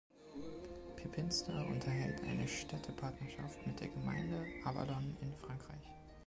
Pepinster unterhält eine Städtepartnerschaft mit der Gemeinde Avallon in Frankreich.